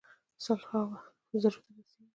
سل هاوو زرو ته رسیږي.